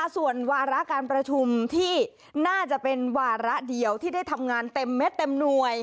ส่วนวาระการประชุมที่น่าจะเป็นวาระเดียวที่ได้ทำงานเต็มเม็ดเต็มหน่วย